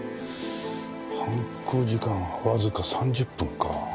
犯行時間はわずか３０分か。